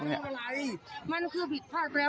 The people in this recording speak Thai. คนพี่ก็ไม่รู้แล้วพวกเราไม่รู้แล้ว